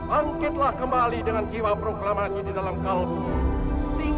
bangkitlah kembali dengan jiwa proklamasi di dalam kalku